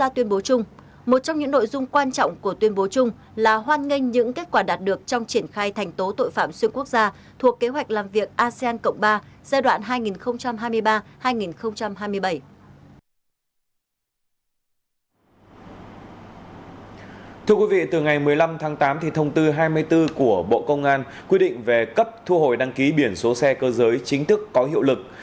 thưa quý vị từ ngày một mươi năm tháng tám thì thông tư hai mươi bốn của bộ công an quy định về cấp thu hồi đăng ký biển số xe cơ giới chính thức có hiệu lực